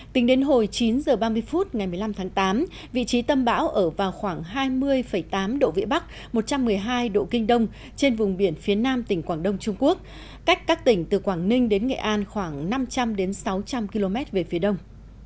tính đến hồi chín h ba mươi phút ngày một mươi năm tháng tám vị trí tâm bão ở vào khoảng hai mươi tám độ vĩ bắc một trăm một mươi hai độ kinh đông trên vùng biển phía nam tỉnh quảng đông trung quốc cách các tỉnh từ quảng ninh đến nghệ an khoảng năm trăm linh sáu trăm linh km về phía đông